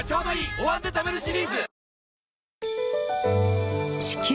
「お椀で食べるシリーズ」